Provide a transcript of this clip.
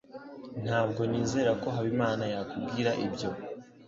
Ntabwo nizera ko Habimana yakubwira ibyo.